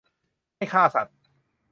ไม่ฆ่าสัตว์